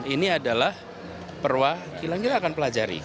ini adalah perwakilan kita akan pelajari